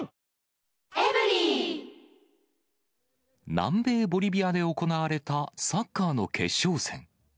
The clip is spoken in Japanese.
南米ボリビアで行われたサッカーの決勝戦。